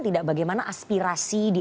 tidak bagaimana aspirasi di